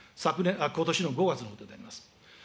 ことしの５月のことであります。